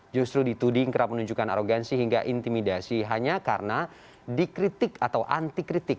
justru dituding kerap menunjukkan arogansi hingga intimidasi hanya karena dikritik atau anti kritik